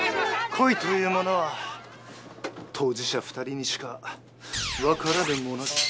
恋というものは当事者２人にしかわからぬものです。